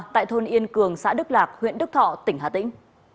tại thôn yên cường xã đức lạc huyện đức thọ tỉnh hà tĩnh